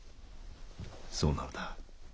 そうなのだ。